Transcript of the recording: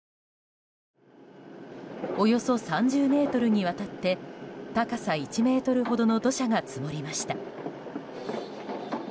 およそ３０ｍにわたって高さ１ｍほどの土砂が積もりました。